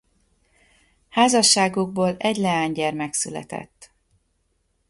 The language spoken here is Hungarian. Házasságukból egy leánygyermek született.